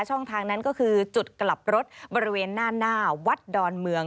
ช่องทางนั้นก็คือจุดกลับรถบริเวณหน้าวัดดอนเมือง